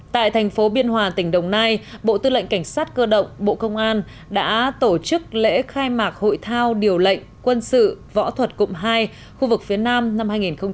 tại thành phố biên hòa tỉnh đồng nai bộ tư lệnh cảnh sát cơ động bộ công an đã tổ chức lễ khai mạc hội thao điều lệnh quân sự võ thuật cụm hai khu vực phía nam năm hai nghìn hai mươi